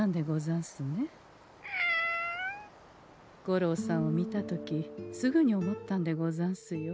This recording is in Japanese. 五郎さんを見た時すぐに思ったんでござんすよ。